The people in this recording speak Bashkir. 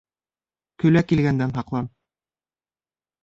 Көлә килгәндән һаҡлан.